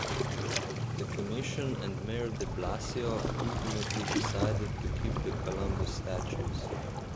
The commission and Mayor de Blasio ultimately decided to keep the Columbus statues.